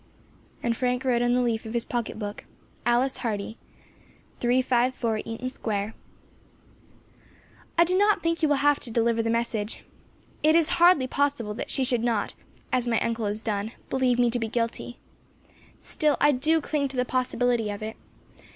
And Frank wrote on the leaf of his pocket book, "Alice Hardy, 354 Eaton Square." "I do not think you will have to deliver the message; it is hardly possible that she should not, as my uncle has done, believe me to be guilty. Still, I do cling to the possibility of it.